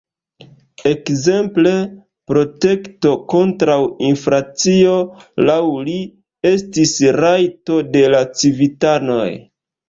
Ekzemple, protekto kontraŭ inflacio laŭ li estis rajto de la civitanoj.